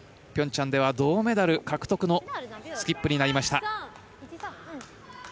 ピョンチャンでは銅メダル獲得のスキップになりました。